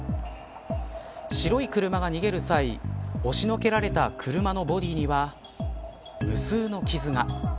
白い車が逃げる際押しのけられた車のボディーには無数の傷が。